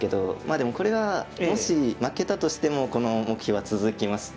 でもこれはもし負けたとしてもこの目標は続きまして。